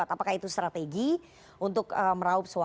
apakah itu strategi untuk meraup suara